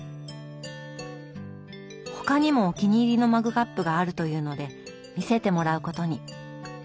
他にもお気に入りのマグカップがあるというので見せてもらうことに。